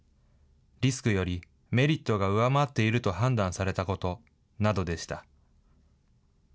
リスクよりメリットが上回っていると判断されたことなどでした。